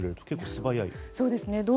結構、素早いですね。